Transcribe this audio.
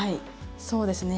そうですね。